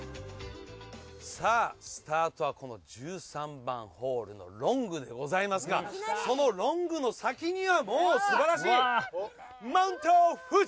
さあスタートはこの１３番ホールのロングでございますがそのロングの先にはもうすばらしいマウント富士！